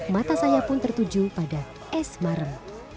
mata saya pun tertuju pada es marem